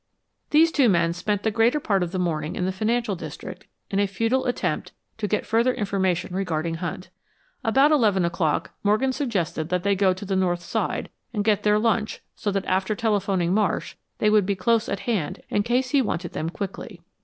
These two men spent the greater part of the morning in the financial district in a futile attempt to get further information regarding Hunt. About eleven o'clock Morgan suggested that they go to the North Side and get their lunch so that after telephoning Marsh they would be close at hand in case he wanted them quickly.